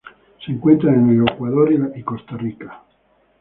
Se encuentra en Ecuador y Costa Rica.